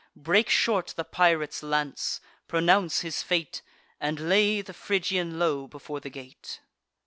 Break short the pirate's lance; pronounce his fate, And lay the Phrygian low before the gate."